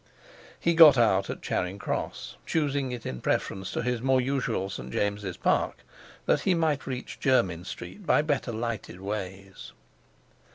He got out at Charing Cross, choosing it in preference to his more usual St. James's Park, that he might reach Jermyn Street by better lighted ways.